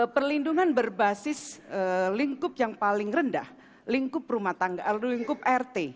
perlindungan berbasis lingkup yang paling rendah lingkup rumah tangga lingkup rt